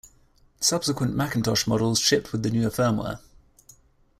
Subsequent Macintosh models shipped with the newer firmware.